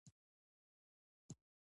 هغه هم تا ته شوی و.